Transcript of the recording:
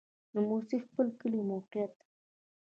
د موسی خیل کلی موقعیت